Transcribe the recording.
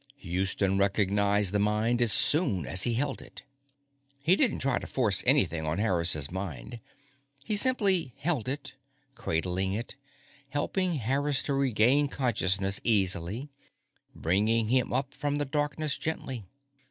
_ Houston recognized the mind as soon as he held it. He didn't try to force anything on Harris's mind; he simply held it, cradling it, helping Harris to regain consciousness easily, bringing him up from the darkness gently.